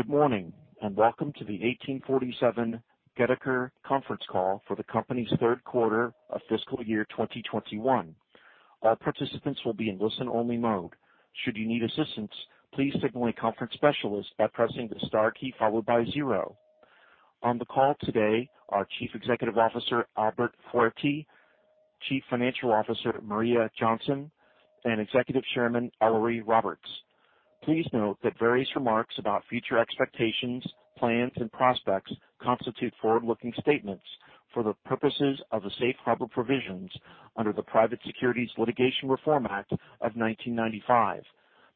Good morning, and welcome to the 1847 Goedeker conference call for the company's third quarter of fiscal year 2021. All participants will be in listen-only mode. Should you need assistance, please signal a conference specialist by pressing the star key followed by zero. On the call today are Chief Executive Officer, Albert Fouerti, Chief Financial Officer, Maria Johnson, and Executive Chairman, Ellery Roberts. Please note that various remarks about future expectations, plans and prospects constitute forward-looking statements for the purposes of the safe harbor provisions under the Private Securities Litigation Reform Act of 1995.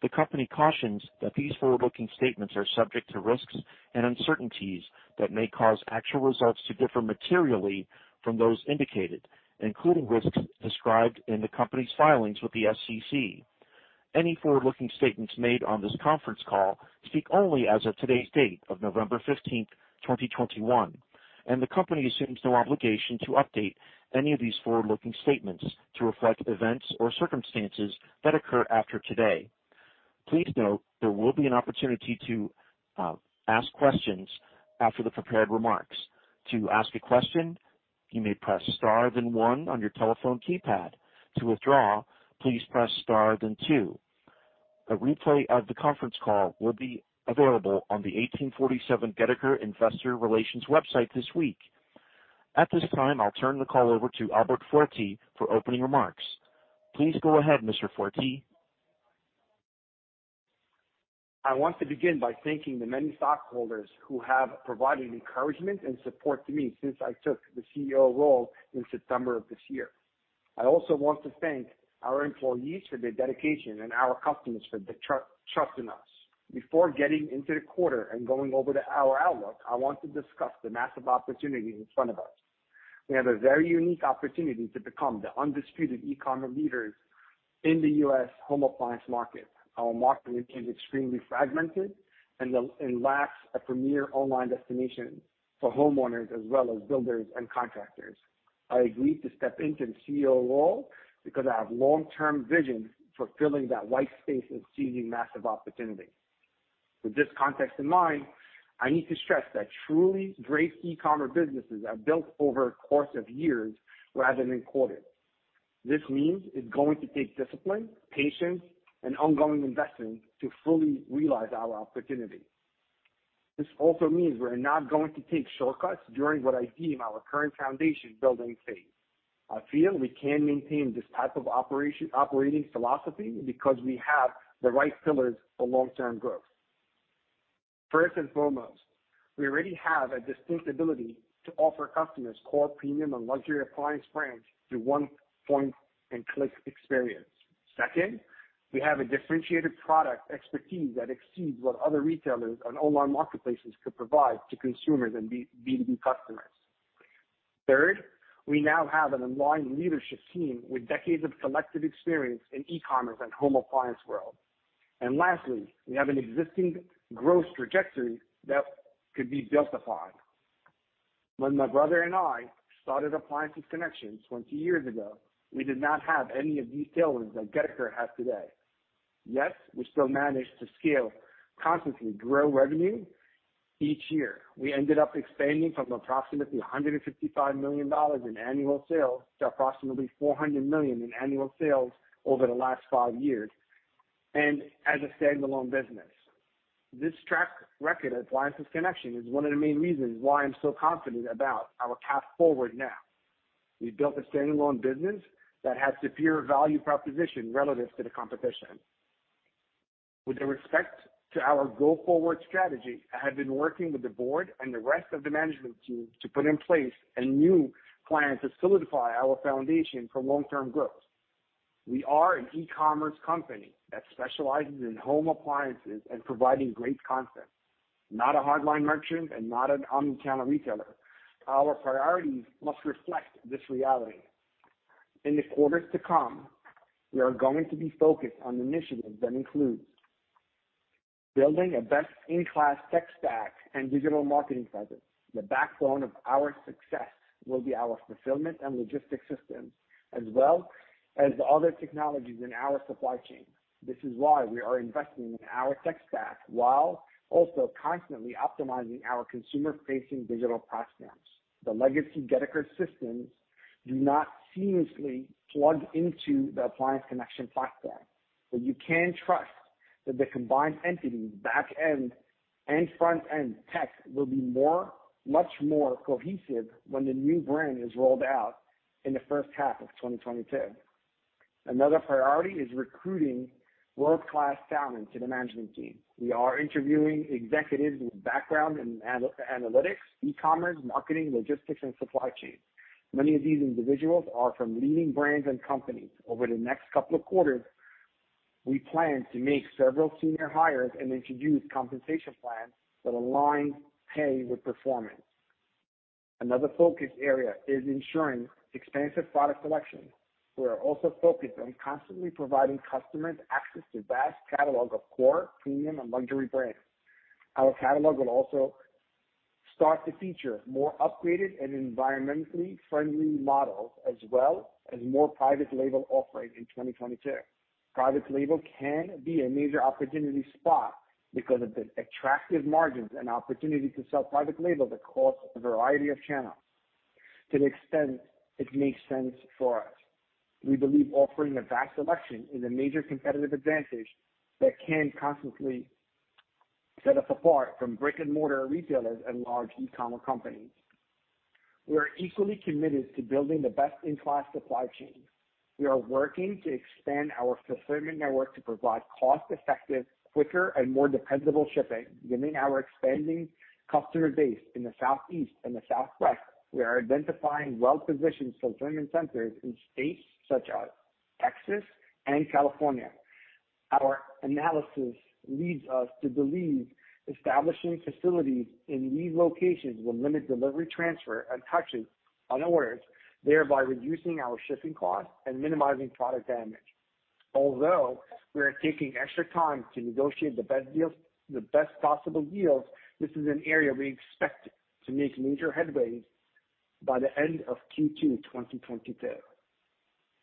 The company cautions that these forward-looking statements are subject to risks and uncertainties that may cause actual results to differ materially from those indicated, including risks described in the company's filings with the SEC. Any forward-looking statements made on this conference call speak only as of today's date of November 15, 2021, and the company assumes no obligation to update any of these forward-looking statements to reflect events or circumstances that occur after today. Please note there will be an opportunity to ask questions after the prepared remarks. To ask a question, you may press Star then one on your telephone keypad. To withdraw, please press Star then two. A replay of the conference call will be available on the 1847 Goedeker investor relations website this week. At this time, I'll turn the call over to Albert Fouerti for opening remarks. Please go ahead, Mr. Fouerti. I want to begin by thanking the many stockholders who have provided encouragement and support to me since I took the CEO role in September of this year. I also want to thank our employees for their dedication and our customers for their trust in us. Before getting into the quarter and going over to our outlook, I want to discuss the massive opportunity in front of us. We have a very unique opportunity to become the undisputed e-commerce leaders in the U.S. home appliance market. Our market is extremely fragmented and lacks a premier online destination for homeowners as well as builders and contractors. I agreed to step into the CEO role because I have long-term vision for filling that white space and seizing massive opportunity. With this context in mind, I need to stress that truly great e-commerce businesses are built over a course of years rather than quarters. This means it's going to take discipline, patience, and ongoing investment to fully realize our opportunity. This also means we're not going to take shortcuts during what I deem our current foundation-building phase. I feel we can maintain this type of operating philosophy because we have the right pillars for long-term growth. First and foremost, we already have a distinct ability to offer customers core premium and luxury appliance brands through one point-and-click experience. Second, we have a differentiated product expertise that exceeds what other retailers and online marketplaces could provide to consumers and B2B customers. Third, we now have an online leadership team with decades of collective experience in e-commerce and home appliance world. Lastly, we have an existing growth trajectory that could be built upon. When my brother and I started Appliances Connection 20 years ago, we did not have any of these tailwinds that Goedeker has today. Yes, we still managed to scale, constantly grow revenue each year. We ended up expanding from approximately $155 million in annual sales to approximately $400 million in annual sales over the last 5 years and as a standalone business. This track record at Appliances Connection is one of the main reasons why I'm so confident about our path forward now. We've built a standalone business that has superior value proposition relative to the competition. With respect to our go-forward strategy, I have been working with the board and the rest of the management team to put in place a new plan to solidify our foundation for long-term growth. We are an e-commerce company that specializes in home appliances and providing great content, not a hardline merchant and not an omni-channel retailer. Our priorities must reflect this reality. In the quarters to come, we are going to be focused on initiatives that include building a best-in-class tech stack and digital marketing presence. The backbone of our success will be our fulfillment and logistics systems, as well as other technologies in our supply chain. This is why we are investing in our tech stack while also constantly optimizing our consumer-facing digital touchpoints. The legacy Goedeker systems do not seamlessly plug into the Appliances Connection platform, but you can trust that the combined entity's back-end and front-end tech will be more, much more cohesive when the new brand is rolled out in the first half of 2022. Another priority is recruiting world-class talent to the management team. We are interviewing executives with background in analytics, e-commerce, marketing, logistics, and supply chain. Many of these individuals are from leading brands and companies. Over the next couple of quarters, we plan to make several senior hires and introduce compensation plans that align pay with performance. Another focus area is ensuring expansive product selection. We are also focused on constantly providing customers access to a vast catalog of core, premium, and luxury brands. Our catalog will also start to feature more upgraded and environmentally friendly models as well as more private label offering in 2022. Private label can be a major opportunity spot because of the attractive margins and opportunity to sell private label that cross a variety of channels to the extent it makes sense for us. We believe offering a vast selection is a major competitive advantage that can constantly set us apart from brick-and-mortar retailers and large e-commerce companies. We are equally committed to building the best-in-class supply chain. We are working to expand our fulfillment network to provide cost-effective, quicker, and more dependable shipping within our expanding customer base in the southeast and the southwest. We are identifying well-positioned fulfillment centers in states such as Texas and California. Our analysis leads us to believe establishing facilities in these locations will limit delivery transfer and touches on orders, thereby reducing our shipping costs and minimizing product damage. Although we are taking extra time to negotiate the best possible deals, this is an area we expect to make major headway by the end of Q2 2022.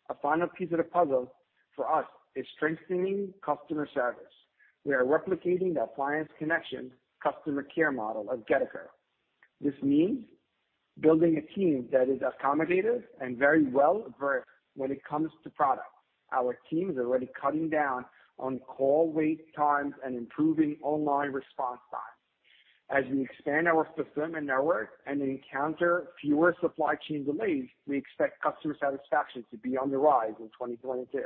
A final piece of the puzzle for us is strengthening customer service. We are replicating the Appliances Connection customer care model of Goedeker. This means building a team that is accommodative and very well-versed when it comes to products. Our team is already cutting down on call wait times and improving online response times. As we expand our fulfillment network and encounter fewer supply chain delays, we expect customer satisfaction to be on the rise in 2022.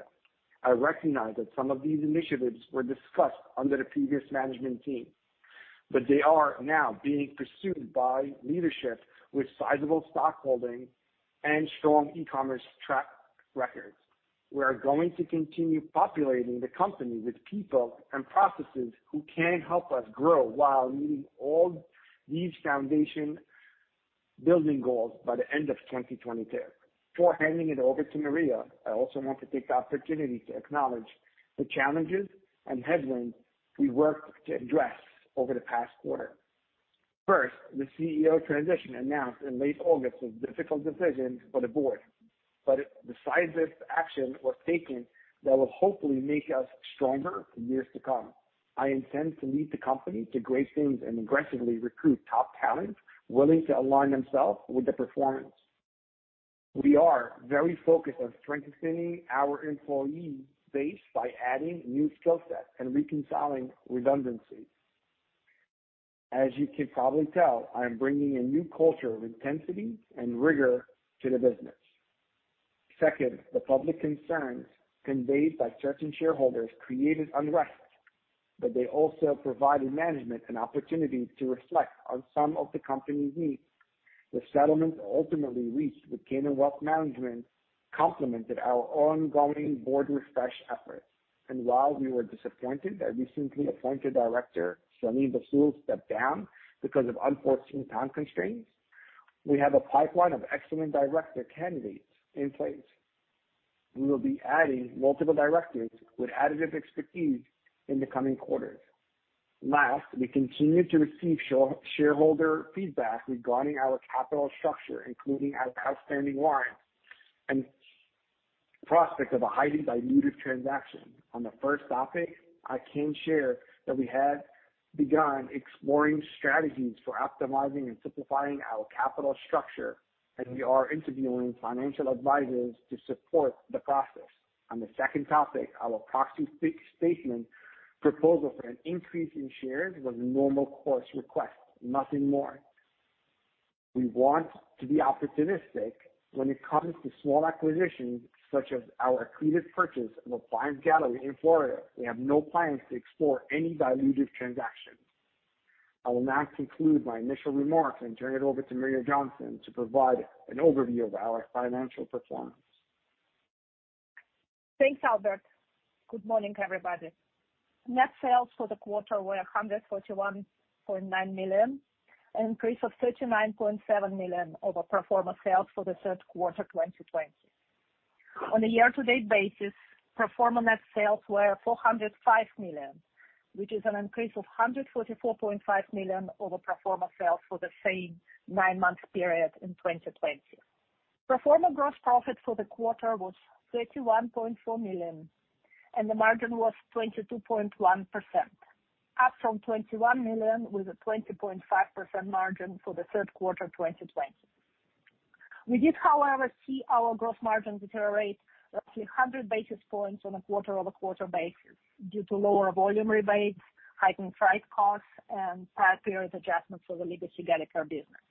I recognize that some of these initiatives were discussed under the previous management team, but they are now being pursued by leadership with sizable stockholding and strong e-commerce track records. We are going to continue populating the company with people and processes who can help us grow while meeting all these foundation building goals by the end of 2022. Before handing it over to Maria, I also want to take the opportunity to acknowledge the challenges and headwinds we worked to address over the past quarter. First, the CEO transition announced in late August was a difficult decision for the board, but decisive action was taken that will hopefully make us stronger for years to come. I intend to lead the company to great things and aggressively recruit top talent willing to align themselves with the performance. We are very focused on strengthening our employee base by adding new skill sets and reconciling redundancies. As you can probably tell, I am bringing a new culture of intensity and rigor to the business. Second, the public concerns conveyed by certain shareholders created unrest, but they also provided management an opportunity to reflect on some of the company's needs. The settlement ultimately reached with Kanen Wealth Management complemented our ongoing board refresh efforts. While we were disappointed that recently appointed director, Sunny Basul stepped down because of unforeseen time constraints, we have a pipeline of excellent director candidates in place. We will be adding multiple directors with additive expertise in the coming quarters. Last, we continue to receive shareholder feedback regarding our capital structure, including our outstanding warrants and prospect of a highly dilutive transaction. On the first topic, I can share that we have begun exploring strategies for optimizing and simplifying our capital structure, and we are interviewing financial advisors to support the process. On the second topic, our proxy statement proposal for an increase in shares was a normal course request, nothing more. We want to be opportunistic when it comes to small acquisitions such as our accretive purchase of Appliance Gallery in Florida. We have no plans to explore any dilutive transactions. I will now conclude my initial remarks and turn it over to Maria Johnson to provide an overview of our financial performance. Thanks, Albert. Good morning, everybody. Net sales for the quarter were $141.9 million, an increase of $39.7 million over pro forma sales for the third quarter of 2020. On a year-to-date basis, pro forma net sales were $405 million, which is an increase of $144.5 million over pro forma sales for the same nine-month period in 2020. Pro forma gross profit for the quarter was $31.4 million, and the margin was 22.1%, up from $21 million with a 20.5% margin for the third quarter of 2020. We did, however, see our gross margin deteriorate roughly 100 basis points on a quarter-over-quarter basis due to lower volume rebates, heightened freight costs, and prior period adjustments for the legacy Goedeker's business.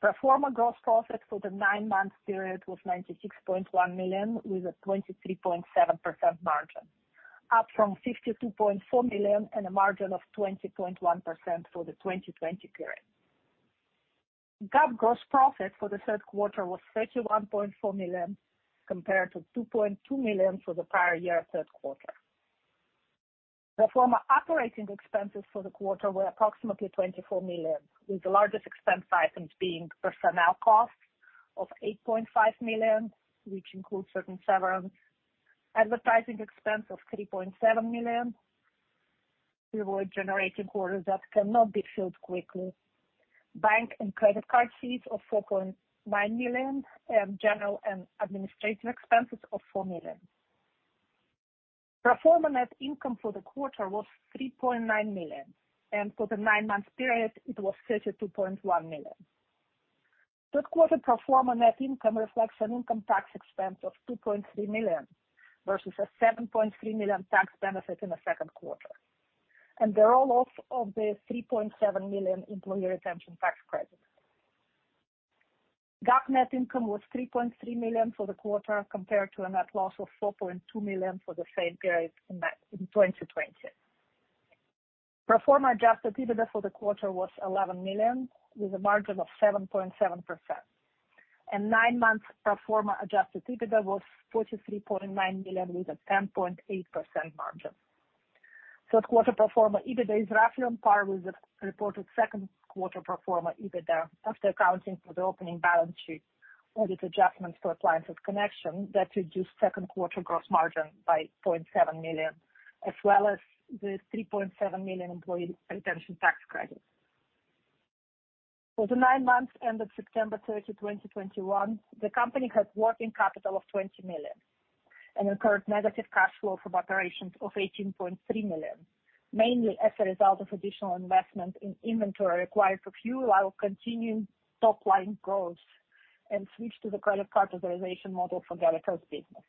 Pro forma gross profit for the nine-month period was $96.1 million, with a 23.7% margin, up from $52.4 million and a margin of 20.1% for the 2020 period. GAAP gross profit for the third quarter was $31.4 million, compared to $2.2 million for the prior year third quarter. Pro forma operating expenses for the quarter were approximately $24 million, with the largest expense items being personnel costs of $8.5 million, which include certain severance, advertising expense of $3.7 million to avoid generating orders that cannot be filled quickly. Bank and credit card fees of $4.9 million, and general and administrative expenses of $4 million. Pro forma net income for the quarter was $3.9 million, and for the nine-month period, it was $32.1 million. Third quarter pro forma net income reflects an income tax expense of $2.3 million versus a $7.3 million tax benefit in the second quarter, and the roll-off of the $3.7 million employee retention tax credit. GAAP net income was $3.3 million for the quarter compared to a net loss of $4.2 million for the same period in 2020. Pro forma adjusted EBITDA for the quarter was $11 million, with a margin of 7.7%. Nine months pro forma adjusted EBITDA was $43.9 million, with a 10.8% margin. Third quarter pro forma EBITDA is roughly on par with the reported second quarter pro forma EBITDA after accounting for the opening balance sheet audit adjustments to Appliances Connection that reduced second quarter gross margin by $0.7 million, as well as the $3.7 million employee retention tax credit. For the nine months ended September 30, 2021, the company had working capital of $20 million and incurred negative cash flow from operations of $18.3 million, mainly as a result of additional investment in inventory required to fuel our continued top-line growth and switch to the credit card authorization model for Goedeker's business.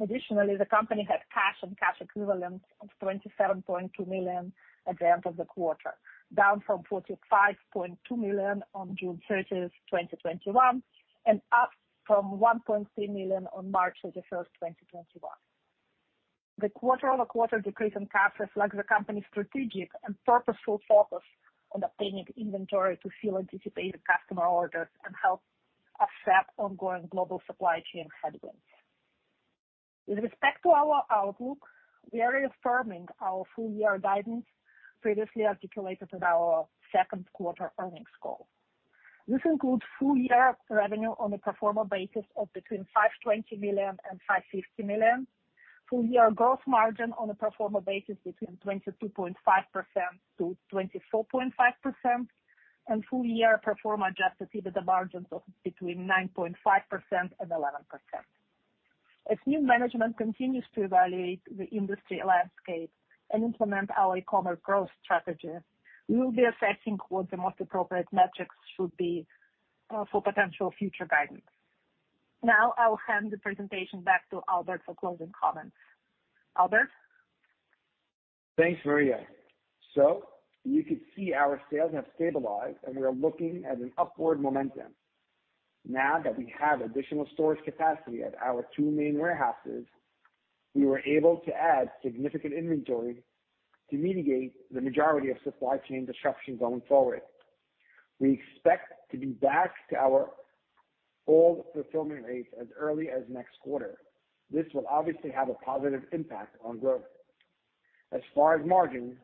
Additionally, the company had cash and cash equivalents of $27.2 million at the end of the quarter, down from $45.2 million on June 30, 2021, and up from $1.3 million on March 31, 2021. The quarter-over-quarter decrease in cash reflects the company's strategic and purposeful focus on obtaining inventory to fill anticipated customer orders and help offset ongoing global supply chain headwinds. With respect to our outlook, we are reaffirming our full year guidance previously articulated at our second quarter earnings call. This includes full year revenue on a pro forma basis of between $520 million and $550 million, full year gross margin on a pro forma basis between 22.5%-24.5%, and full year pro forma adjusted EBITDA margins of between 9.5% and 11%. As new management continues to evaluate the industry landscape and implement our e-commerce growth strategy, we will be assessing what the most appropriate metrics should be, for potential future guidance. Now I will hand the presentation back to Albert for closing comments. Albert? Thanks, Maria. You could see our sales have stabilized, and we are looking at an upward momentum. Now that we have additional storage capacity at our two main warehouses, we were able to add significant inventory to mitigate the majority of supply chain disruptions going forward. We expect to be back to our old fulfillment rates as early as next quarter. This will obviously have a positive impact on growth. As far as margin,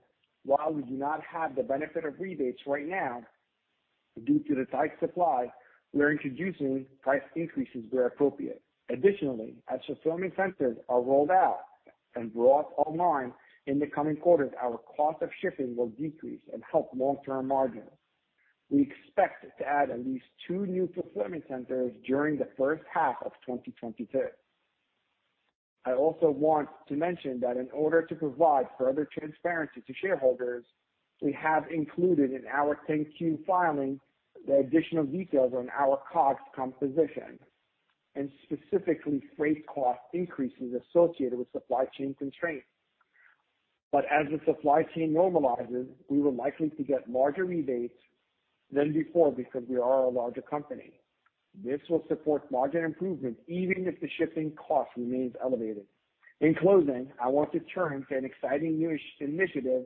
while we do not have the benefit of rebates right now, due to the tight supply, we're introducing price increases where appropriate. Additionally, as fulfillment centers are rolled out and brought online in the coming quarters, our cost of shipping will decrease and help long-term margins. We expect to add at least two new fulfillment centers during the first half of 2022. I also want to mention that in order to provide further transparency to shareholders, we have included in our 10-Q filing the additional details on our COGS composition and specifically freight cost increases associated with supply chain constraints. As the supply chain normalizes, we will likely to get larger rebates than before because we are a larger company. This will support margin improvement even if the shipping cost remains elevated. In closing, I want to turn to an exciting new initiative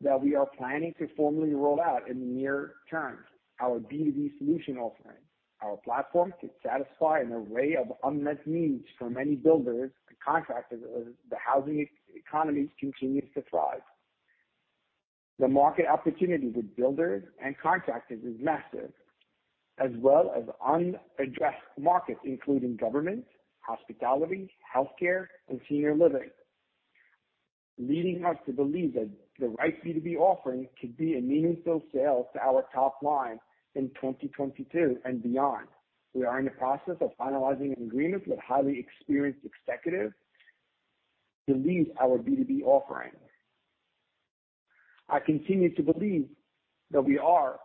that we are planning to formally roll out in the near term, our B2B solution offering, our platform to satisfy an array of unmet needs for many builders and contractors as the housing economy continues to thrive. The market opportunity with builders and contractors is massive, as well as unaddressed markets including government, hospitality, healthcare, and senior living, leading us to believe that the right B2B offering could be a meaningful sale to our top line in 2022 and beyond. We are in the process of finalizing an agreement with a highly experienced executive to lead our B2B offering. I continue to believe that we are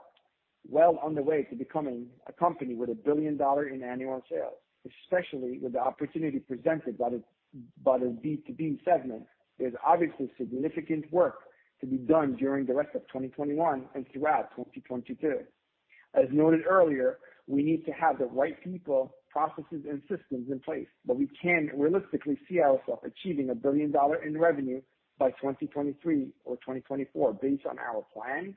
well on the way to becoming a company with $1 billion in annual sales, especially with the opportunity presented by the B2B segment. There's obviously significant work to be done during the rest of 2021 and throughout 2022. As noted earlier, we need to have the right people, processes, and systems in place, but we can realistically see ourselves achieving $1 billion in revenue by 2023 or 2024 based on our plan,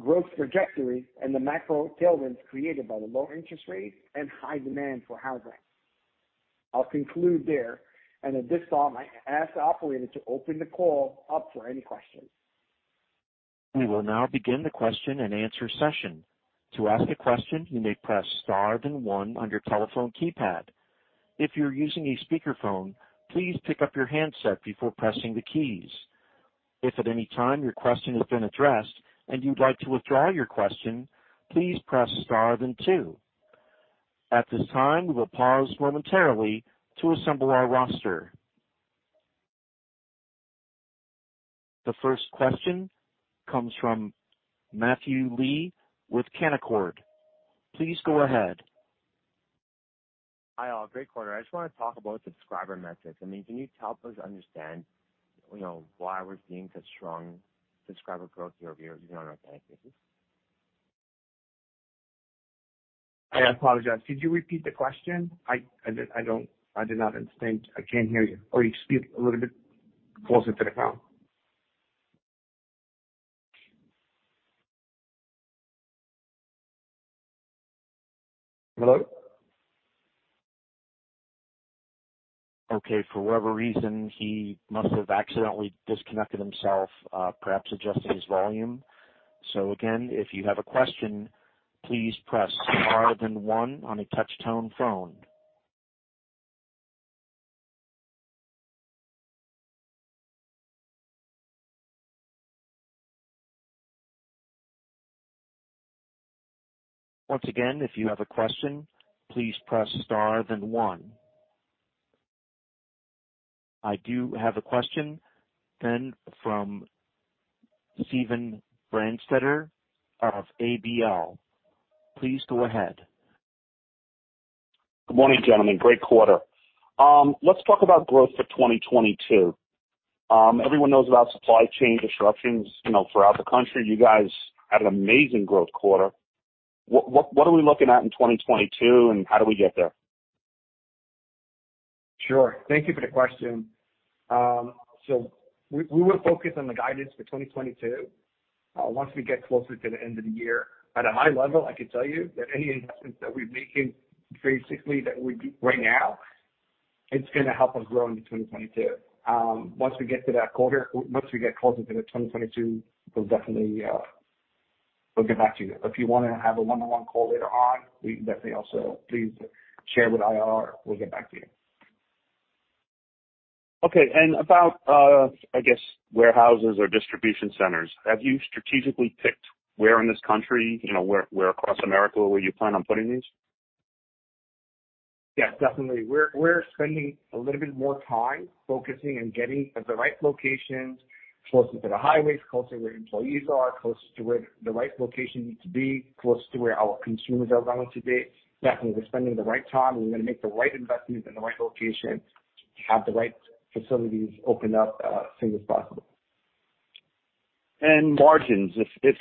growth trajectory, and the macro tailwinds created by the low interest rates and high demand for housing. I'll conclude there, and at this time, I ask the operator to open the call up for any questions. We will now begin the question and answer session. To ask a question, you may press star then one on your telephone keypad. If you're using a speakerphone, please pick up your handset before pressing the keys. If at any time your question has been addressed and you'd like to withdraw your question, please press star then two. At this time, we will pause momentarily to assemble our roster. The first question comes from Matthew Lee with Canaccord. Please go ahead. Hi, all. Great quarter. I just wanna talk about subscriber metrics. I mean, can you help us understand, you know, why we're seeing such strong subscriber growth year-over-year even on a organic basis? I apologize. Could you repeat the question? I did not understand. I can't hear you. Or you speak a little bit closer to the phone. Hello? Okay. For whatever reason, he must have accidentally disconnected himself, perhaps adjusting his volume. Again, if you have a question, please press star then one on a touch-tone phone. Once again, if you have a question, please press star then one. I do have a question then from Steven Brandstetter of ABL. Please go ahead. Good morning, gentlemen. Great quarter. Let's talk about growth for 2022. Everyone knows about supply chain disruptions, you know, throughout the country. You guys had an amazing growth quarter. What are we looking at in 2022, and how do we get there? Sure. Thank you for the question. We will focus on the guidance for 2022 once we get closer to the end of the year. At a high level, I can tell you that any investments that we're making basically that we do right now, it's gonna help us grow into 2022. Once we get closer to 2022, we'll definitely get back to you. If you wanna have a one-on-one call later on, we can definitely also please share with IR, we'll get back to you. Okay. About, I guess warehouses or distribution centers, have you strategically picked where in this country, you know, where across America you plan on putting these? Yeah, definitely. We're spending a little bit more time focusing and getting at the right locations closer to the highways, closer to where employees are, closer to where the right location needs to be, closer to where our consumers are going to be. Definitely, we're spending the right time. We're gonna make the right investments in the right locations, have the right facilities opened up, as soon as possible. Margins, if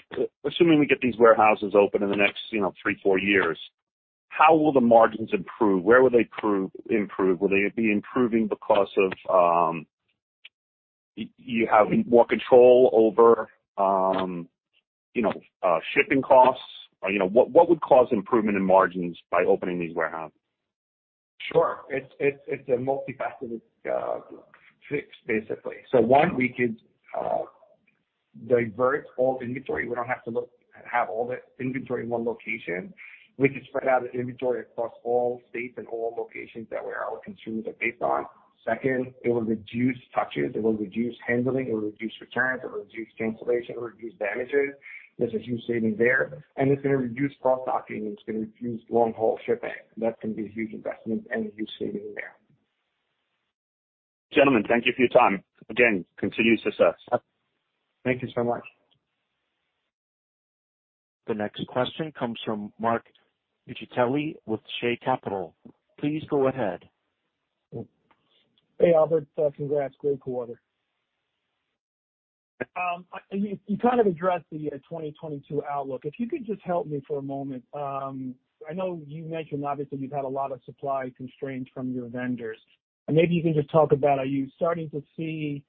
assuming we get these warehouses open in the next, you know, 3-4 years, how will the margins improve? Where will they improve? Will they be improving because of you having more control over, you know, shipping costs? Or, you know, what would cause improvement in margins by opening these warehouses? Sure. It's a multifaceted fix, basically. One, we could divert all inventory. We don't have to look and have all the inventory in one location. We could spread out the inventory across all states and all locations to where our consumers are based on. Second, it will reduce touches, it will reduce handling, it will reduce returns, it will reduce cancellation, it will reduce damages. There's a huge saving there. It's gonna reduce cross-docking, and it's gonna reduce long-haul shipping. That can be a huge investment and a huge saving there. Gentlemen, thank you for your time. Again, continued success. Thank you so much. The next question comes from Mark Riccitelli with Shay Capital. Please go ahead. Hey, Albert. Congrats. Great quarter. You kind of addressed the 2022 outlook. If you could just help me for a moment. I know you mentioned obviously you've had a lot of supply constraints from your vendors. Maybe you can just talk about, are you starting to see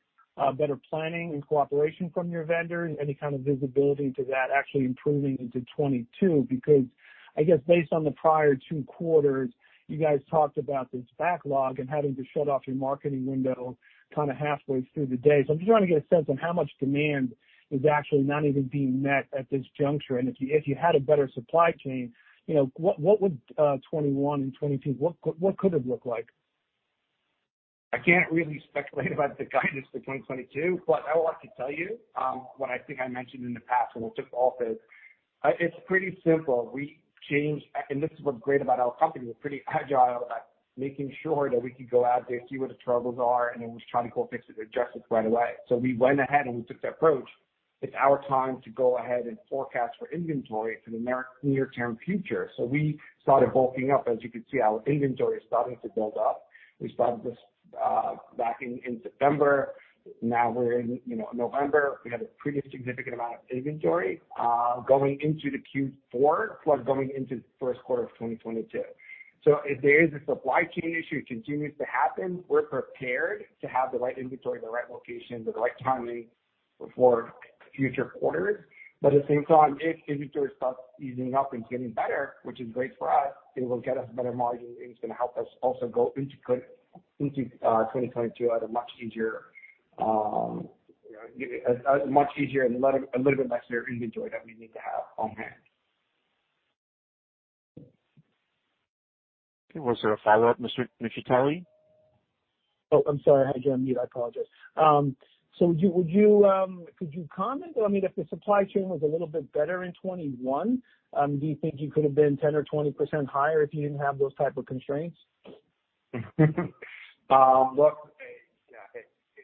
better planning and cooperation from your vendors? Any kind of visibility to that actually improving into 2022? Because I guess based on the prior 2 quarters, you guys talked about this backlog and having to shut off your marketing window kinda halfway through the day. I'm just trying to get a sense on how much demand is actually not even being met at this juncture. If you had a better supply chain, you know, what would 2021 and 2022, what could it look like? I can't really speculate about the guidance for 2022, but I would like to tell you what I think I mentioned in the past when we took office. It's pretty simple. We changed. This is what's great about our company. We're pretty agile at making sure that we can go out there, see where the troubles are, and then we try to go fix it or adjust it right away. We went ahead, and we took the approach. It's our time to go ahead and forecast for inventory for the near-term future. We started bulking up. As you can see, our inventory is starting to build up. We started this back in September. Now we're in November. We have a pretty significant amount of inventory going into the Q4 plus going into first quarter of 2022. if there is a supply chain issue, it continues to happen, we're prepared to have the right inventory in the right location with the right timing for future quarters. At the same time, if inventory starts easing up and getting better, which is great for us, it will get us better margin, and it's gonna help us also go into 2022 at a much easier, you know, a much easier and a little bit less inventory that we need to have on hand. Okay. Was there a follow-up, Mr. Ryan Riccitelli? Oh, I'm sorry. I hit mute. I apologize. Could you comment, I mean, if the supply chain was a little bit better in 2021, do you think you could have been 10 or 20% higher if you didn't have those type of constraints? If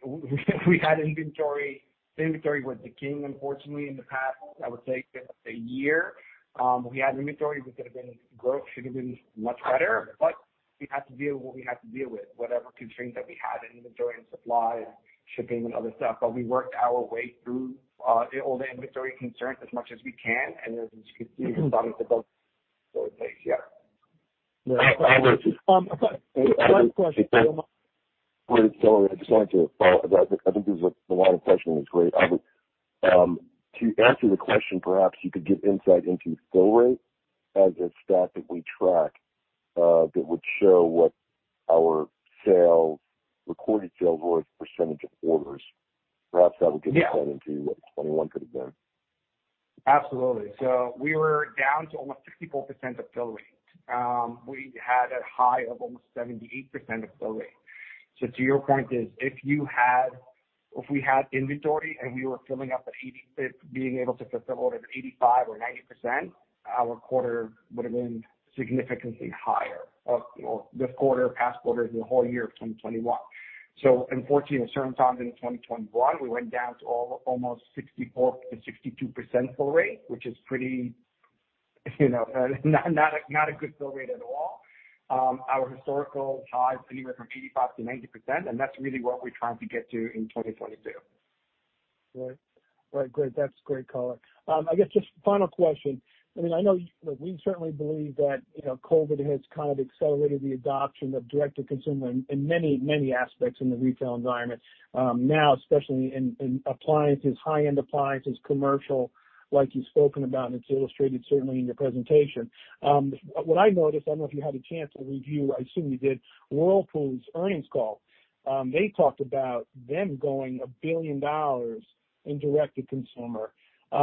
we had inventory was the king, unfortunately, in the past, I would say, a year. If we had inventory, growth should have been much better, but we had to deal with what we had to deal with. Whatever constraints that we had in inventory and supply, shipping and other stuff. We worked our way through all the inventory concerns as much as we can. As you can see, it's starting to build, so yeah. I would- One question. This is Tyler. I just wanted to follow up. I think this is a lot of question. It's great. To answer the question, perhaps you could give insight into fill rate as a stat that we track that would show what our sales, recorded sales were as a percentage of orders. Perhaps that would give insight into what 2021 could have been. Absolutely. We were down to almost 64% fill rate. We had a high of almost 78% fill rate. To your point is, if we had inventory and being able to fulfill at 85% or 90%, our quarter would have been significantly higher of this quarter, last quarter, the whole year of 2021. Unfortunately, at certain times in 2021, we went down to almost 64%-62% fill rate, which is pretty, you know, not a good fill rate at all. Our historical high is anywhere from 85%-90%, and that's really what we're trying to get to in 2022. Right. Great. That's great color. I guess just final question. I mean, I know we certainly believe that, you know, COVID has kind of accelerated the adoption of direct-to-consumer in many aspects in the retail environment. Now, especially in appliances, high-end appliances, commercial, like you've spoken about, and it's illustrated certainly in your presentation. What I noticed, I don't know if you had a chance to review, I assume you did, Whirlpool's earnings call. They talked about them going $1 billion in direct-to-consumer. So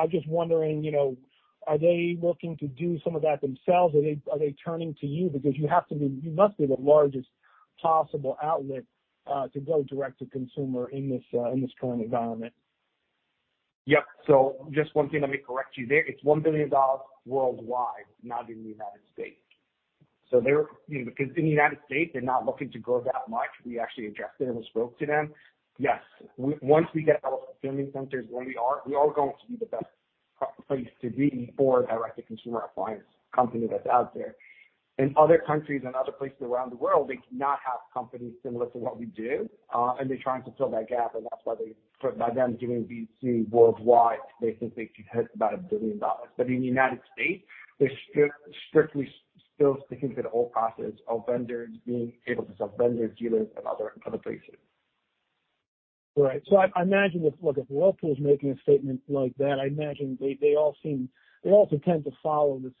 I'm just wondering, you know, are they looking to do some of that themselves? Are they turning to you because you must be the largest possible outlet to go direct to consumer in this current environment. Yep. Just one thing, let me correct you there. It's $1 billion worldwide, not in the United States. You know, because in the United States, they're not looking to grow that much. We actually addressed it and we spoke to them. Yes, once we get our fulfillment centers where we are, we are going to be the best place to be for a direct-to-consumer appliance company that's out there. In other countries and other places around the world, they do not have companies similar to what we do, and they're trying to fill that gap, and that's why. By them doing D2C worldwide, they think they can hit about $1 billion. In the United States, they're strictly still sticking to the old process of vendors being able to sell vendors, dealers and other places. Right. I imagine if Whirlpool is making a statement like that, I imagine they all sort of tend to follow the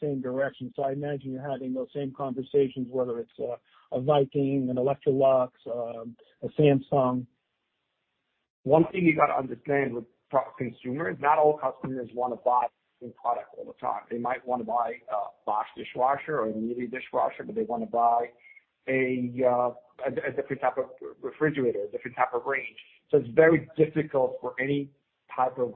same direction. I imagine you're having those same conversations, whether it's a Viking, an Electrolux, a Samsung. One thing you got to understand with pro consumers, not all customers want to buy the same product all the time. They might want to buy a Bosch dishwasher or a Miele dishwasher, but they want to buy a different type of refrigerator, a different type of range. So it's very difficult for any type of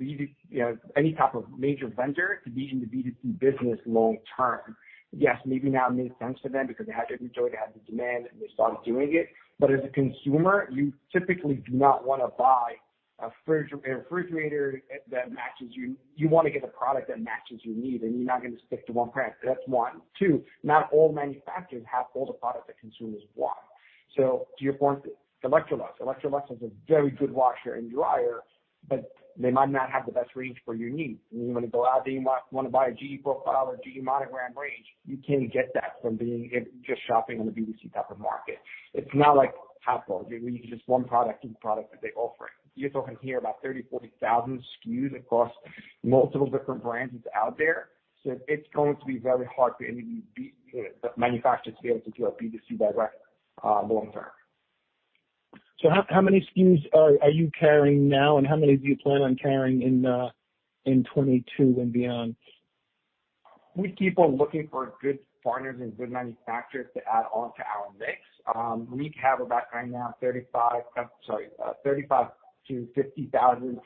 B2B, you know, any type of major vendor to be in the B2C business long term. Yes, maybe now it made sense for them because they had the inventory, they had the demand, and they started doing it. But as a consumer, you typically do not wanna buy a refrigerator that matches you. You wanna get a product that matches your need, and you're not gonna stick to one brand. That's one. Two, not all manufacturers have all the products that consumers want. So to your point, Electrolux. Electrolux has a very good washer and dryer, but they might not have the best range for your needs. When you want to go out, then you want to buy a GE Profile or GE Monogram range, you can't get that from just shopping on a B2C type of market. It's not like Apple, where you can choose one product from the product that they offer. You're talking here about 30,000-40,000 SKUs across multiple different brands that's out there. It's going to be very hard for any manufacturers to be able to do a B2C direct, long term. How many SKUs are you carrying now, and how many do you plan on carrying in 2022 and beyond? We keep on looking for good partners and good manufacturers to add on to our mix. We have about right now 35-50 thousand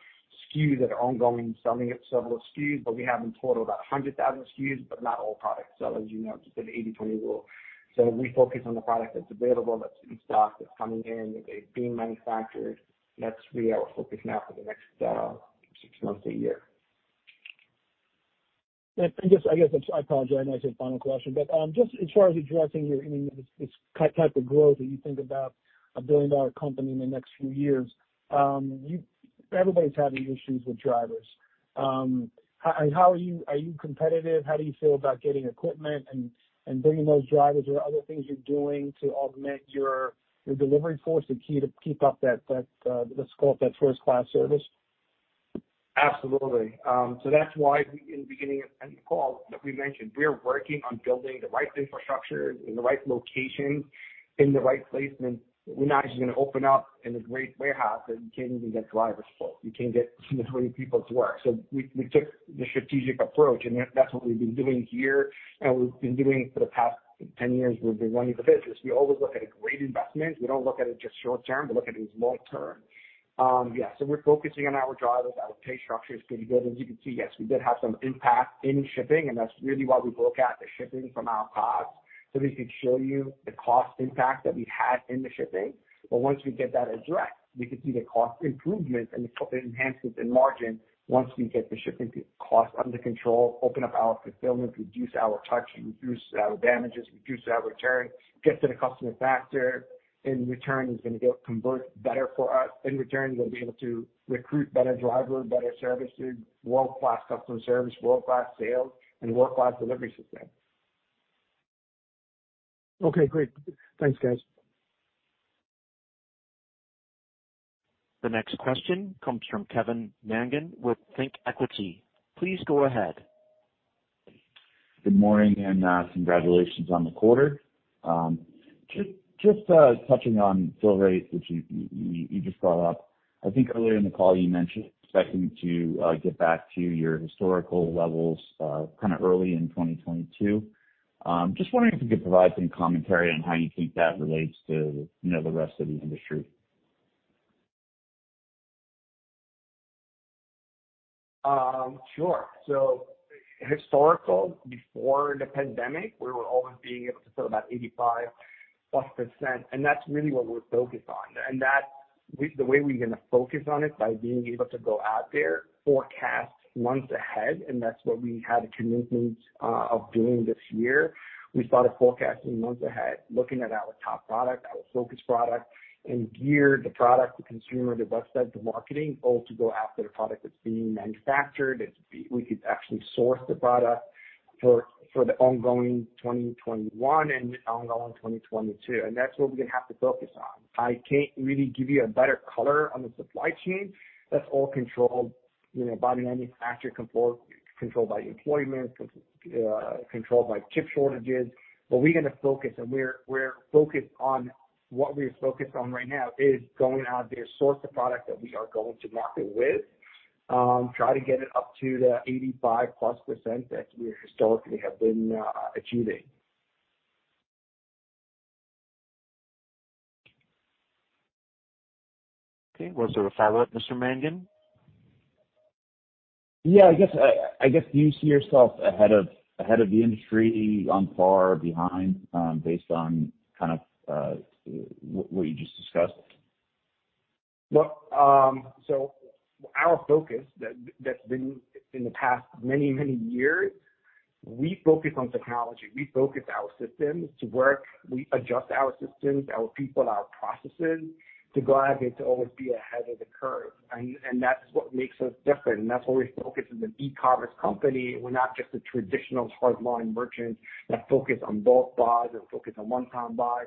SKUs that are ongoing selling of several SKUs, but we have in total about 100,000 SKUs, but not all products sell. As you know, it's an 80/20 rule. We focus on the product that's available, that's in stock, that's coming in, that they've been manufactured. That's really our focus now for the next six months to a year. Just, I guess, I apologize. I know I said final question, but just as far as addressing your, I mean, this type of growth that you think about a billion-dollar company in the next few years, everybody's having issues with drivers. How are you? Are you competitive? How do you feel about getting equipment and bringing those drivers? Are there other things you're doing to augment your delivery force to keep up that, let's call it that first-class service? Absolutely. That's why we, in the beginning of any call that we mentioned, are working on building the right infrastructure in the right location, in the right placement. We're not just gonna open up in a great warehouse, and you can't even get drivers full. You can't get, you know, 20 people to work. We took the strategic approach, and that's what we've been doing here for the past 10 years we've been running the business. We always look at a great investment. We don't look at it just short-term, we look at it as long-term. We're focusing on our drivers. Our pay structure is pretty good. As you can see, yes, we did have some impact in shipping, and that's really why we broke out the shipping from our costs, so we could show you the cost impact that we had in the shipping. Once we get that addressed, we could see the cost improvement and the enhancements in margin once we get the shipping cost under control, open up our fulfillment, reduce our touch, reduce our damages, reduce our returns, get to the customer faster. In return, it's gonna go convert better for us. In return, we're gonna be able to recruit better drivers, better services, world-class customer service, world-class sales and world-class delivery system. Okay, great. Thanks, guys. The next question comes from Kevin Mangan with ThinkEquity. Please go ahead. Good morning, congratulations on the quarter. Just touching on fill rate, which you just brought up. I think earlier in the call you mentioned expecting to get back to your historical levels, kinda early in 2022. Just wondering if you could provide some commentary on how you think that relates to, you know, the rest of the industry. Historical, before the pandemic, we were always being able to fill about 85%+, and that's really what we're focused on. The way we're gonna focus on it by being able to go out there, forecast months ahead, and that's what we had a commitment of doing this year. We started forecasting months ahead, looking at our top product, our focus product, and geared the product to consumer, the website, the marketing, all to go after the product that's being manufactured, that we could actually source the product for the ongoing 2021 and ongoing 2022. That's what we're gonna have to focus on. I can't really give you a better color on the supply chain. That's all controlled, you know, by the manufacturer, by employment, by chip shortages. What we're focused on right now is going out there, source the product that we are going to market with, try to get it up to the 85%+ that we historically have been achieving. Okay. Was there a follow-up, Mr. Mangan? Yeah, I guess, do you see yourself ahead of the industry, on par or behind, based on kind of what you just discussed? Well, our focus that's been in the past many years, we focus on technology. We focus our systems to work. We adjust our systems, our people, our processes to go out there to always be ahead of the curve. That's what makes us different, and that's what we focus as an e-commerce company. We're not just a traditional hard line merchant that focus on bulk buys and focus on one-time buys.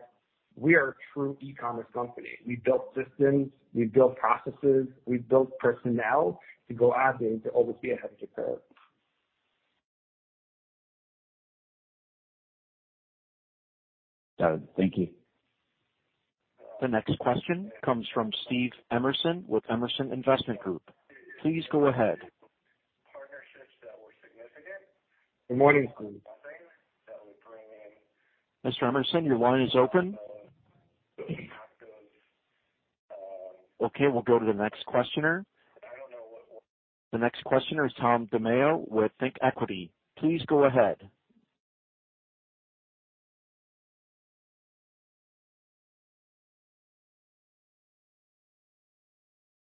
We are a true e-commerce company. We build systems, we build processes, we build personnel to go out there to always be ahead of the curve. Got it. Thank you. The next question comes from Steve Emerson with Emerson Investment Group. Please go ahead. Good morning, Steve. Mr. Emerson, your line is open. Okay, we'll go to the next questioner. The next questioner is Tom DeMayo with ThinkEquity. Please go ahead.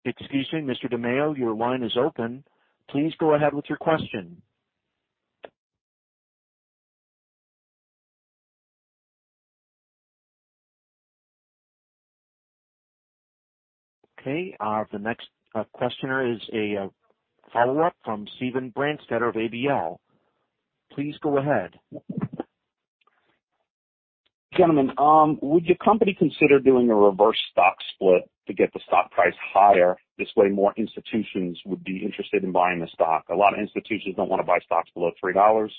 Excuse me, Mr. DeMayo, your line is open. Please go ahead with your question. Okay, the next questioner is a follow-up from Steven Brandstetter of ABL. Please go ahead. Gentlemen, would your company consider doing a reverse stock split to get the stock price higher? This way more institutions would be interested in buying the stock. A lot of institutions don't wanna buy stocks below $3.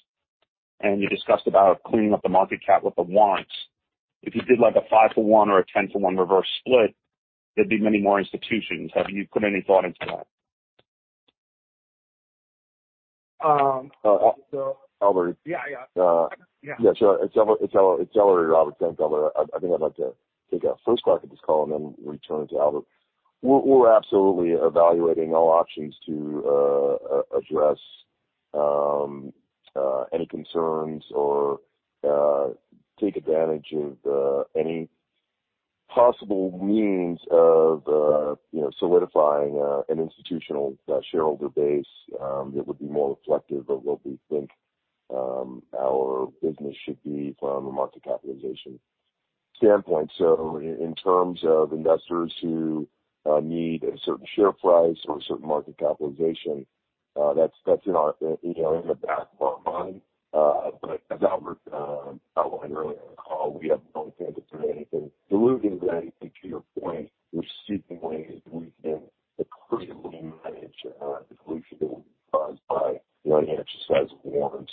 You discussed about cleaning up the market cap with the warrants. If you did like a 5-to-1 or a 10-to-1 reverse split, there'd be many more institutions. Have you put any thought into that? so- Albert. Yeah, yeah. Yeah. Sure. It's Ellery Roberts. Thanks, Albert. I think I'd like to take a first crack at this call and then return it to Albert. We're absolutely evaluating all options to address any concerns or take advantage of any possible means of you know, solidifying an institutional shareholder base that would be more reflective of what we think our business should be from a market capitalization standpoint. In terms of investors who need a certain share price or a certain market capitalization, that's in our you know, in the back of our mind. As Albert outlined earlier in the call, we have no intent to do anything dilutive. I think to your point, we're seeking ways we can creatively manage dilution caused by right exercise of warrants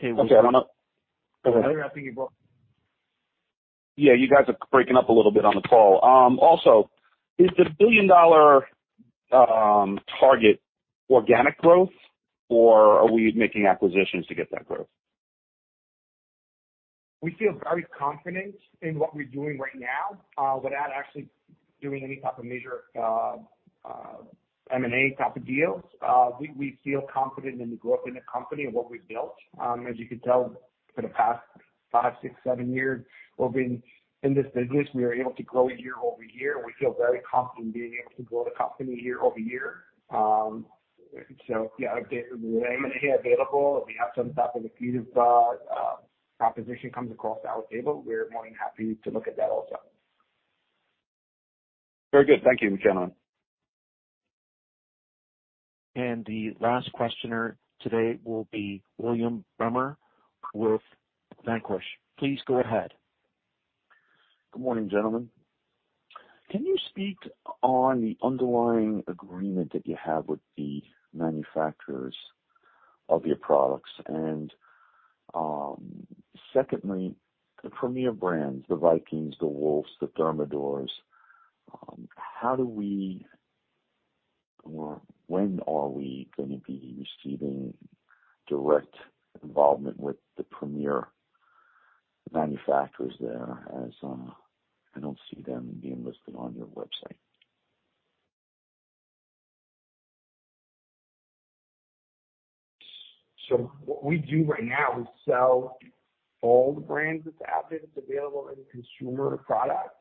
Yeah, you guys are breaking up a little bit on the call. Also, is the $1 billion target organic growth or are we making acquisitions to get that growth? We feel very confident in what we're doing right now, without actually doing any type of major, M&A type of deals. We feel confident in the growth in the company and what we've built. As you could tell, for the past five, six, seven years we've been in this business, we were able to grow year-over-year. We feel very confident being able to grow the company year-over-year. Yeah, if there is M&A available, if we have some type of accretive proposition comes across our table, we're more than happy to look at that also. Very good. Thank you. I'm done. The last questioner today will be William Bremer with Vanquish. Please go ahead. Good morning, gentlemen. Can you speak on the underlying agreement that you have with the manufacturers of your products? Secondly, the premier brands, the Viking, the Wolf, the Thermador, how, or when are we gonna be receiving direct involvement with the premier manufacturers there? As, I don't see them being listed on your website. What we do right now, we sell all the brands that's out there that's available in consumer products.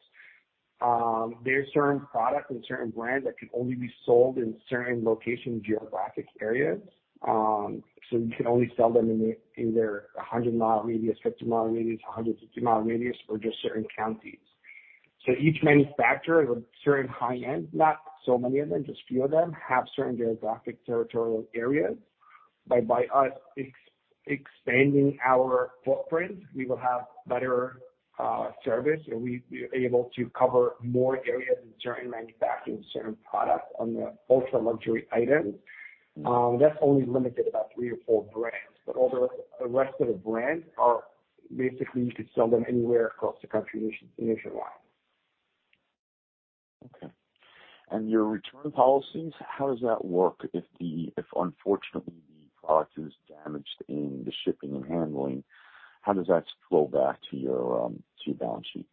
There are certain products and certain brands that can only be sold in certain location, geographic areas. You can only sell them in their 100-mile radius, 50-mile radius, 150-mile radius, or just certain counties. Each manufacturer with certain high-end, not so many of them, just few of them, have certain geographic territorial areas. By us expanding our footprint, we will have better service, and we'll be able to cover more areas in certain manufacturers, certain products on the ultra-luxury items. That's only limited about three or four brands. But all the rest of the brands are basically you could sell them anywhere across the country, nationwide. Okay. Your return policies, how does that work if unfortunately the product is damaged in the shipping and handling, how does that flow back to your to your balance sheet?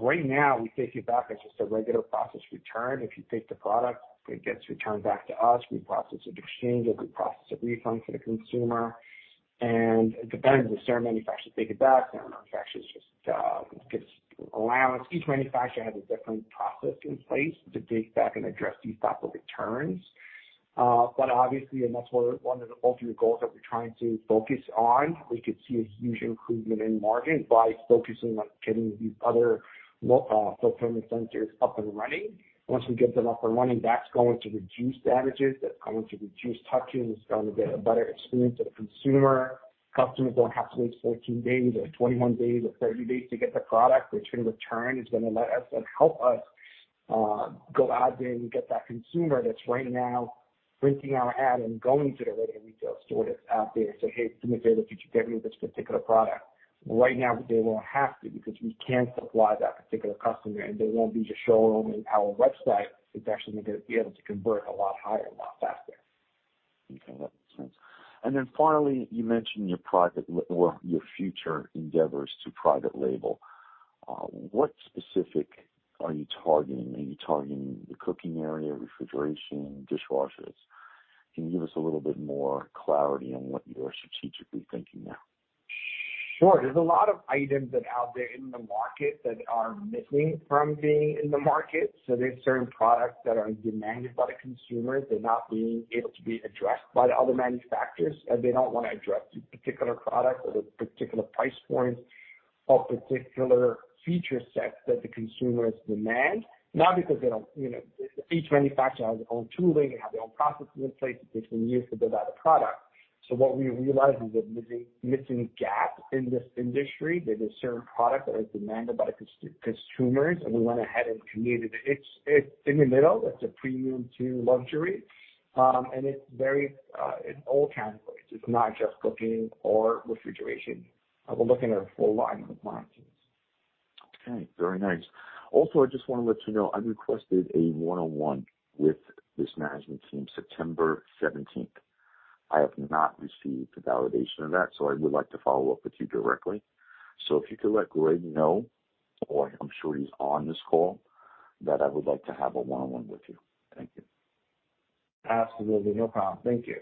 Right now, we take it back as just a regular process return. If you take the product, it gets returned back to us, we process an exchange, or we process a refund for the consumer. It depends if certain manufacturers take it back, certain manufacturers just gets allowance. Each manufacturer has a different process in place to take back and address these type of returns. Obviously and that's one of the ultimate goals that we're trying to focus on. We could see a huge improvement in margin by focusing on getting these other fulfillment centers up and running. Once we get them up and running, that's going to reduce damages, that's going to reduce touchings, it's gonna be a better experience to the consumer. Customers don't have to wait 14 days or 21 days or 30 days to get the product. The return is gonna let us and help us go out there and get that consumer that's right now printing our ad and going to the nearest retail store that's out there to say, "Hey, do me a favor. Could you get me this particular product?" Right now they won't have to because we can supply that particular customer, and they won't be just showing only our website. It's actually gonna be able to convert a lot higher, a lot faster. Okay, that makes sense. Finally, you mentioned your private label or your future endeavors to private label. What specific are you targeting? Are you targeting the cooking area, refrigeration, dishwashers? Can you give us a little bit more clarity on what you are strategically thinking now? Sure. There's a lot of items that are out there in the market that are missing from being in the market. There's certain products that are demanded by the consumers. They're not being able to be addressed by the other manufacturers, and they don't wanna address these particular products or the particular price points or particular feature sets that the consumers demand. Not because they don't, you know. Each manufacturer has their own tooling, they have their own processes in place that they can use to build out a product. What we realized is that missing gap in this industry, there's a certain product that is demanded by the consumers, and we went ahead and committed. It's in the middle. It's a premium to luxury. And it's very in all categories. It's not just cooking or refrigeration. We're looking at a full line of appliances. Okay, very nice. Also, I just wanna let you know, I requested a one-on-one with this management team September seventeenth. I have not received the validation of that. I would like to follow up with you directly. If you could let Greg know, or I'm sure he's on this call, that I would like to have a one-on-one with you. Thank you. Absolutely. No problem. Thank you.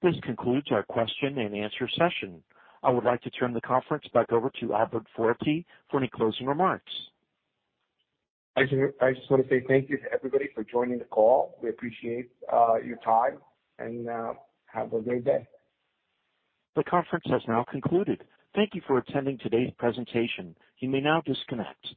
This concludes our question and answer session. I would like to turn the conference back over to Albert Fouerti for any closing remarks. I just wanna say thank you to everybody for joining the call. We appreciate your time and have a great day. The conference has now concluded. Thank you for attending today's presentation. You may now disconnect.